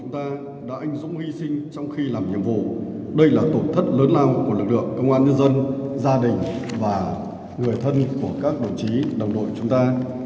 tổng thất lớn lao của lực lượng công an nhân dân gia đình và người thân của các đồng chí đồng đội chúng ta